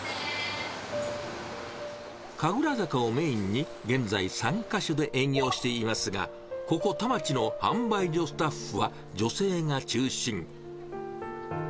神楽坂をメインに、現在、３か所で営業していますが、ここ、田町の販売所スタッフは女性が中心。